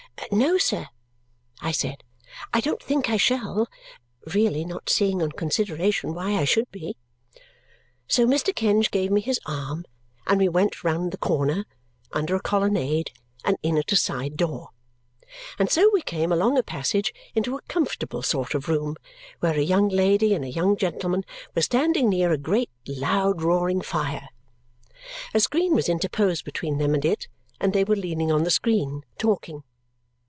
"No, sir," I said, "I don't think I shall," really not seeing on consideration why I should be. So Mr. Kenge gave me his arm and we went round the corner, under a colonnade, and in at a side door. And so we came, along a passage, into a comfortable sort of room where a young lady and a young gentleman were standing near a great, loud roaring fire. A screen was interposed between them and it, and they were leaning on the screen, talking.